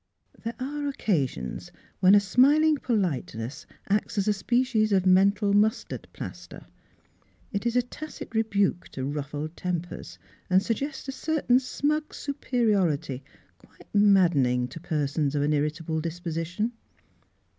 There are occasions when a smiling po liteness acts as a species of mental mus tard plaster. It is a tacit rebuke to ruf fled tempers, and suggests a certain smug superiority quite maddening to per sons of an irritable disposition.